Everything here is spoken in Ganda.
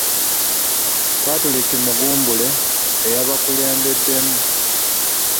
Patrick Mugumbule eyabakulembeddemu.